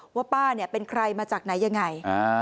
ว่าป้าเนี่ยเป็นใครมาจากไหนยังไง